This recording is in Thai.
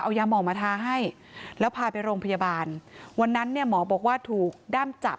เอายาหมองมาทาให้แล้วพาไปโรงพยาบาลวันนั้นเนี่ยหมอบอกว่าถูกด้ามจับ